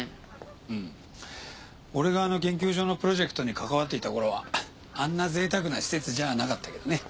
うん俺があの研究所のプロジェクトに関わっていたころはあんな贅沢な施設じゃなかったけどね。